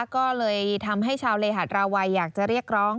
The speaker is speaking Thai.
ก็เลยทำให้ชาวเลหาดราวัยอยากจะเรียกร้อง